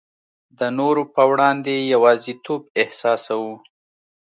د نورو په وړاندي یوازیتوب احساسوو.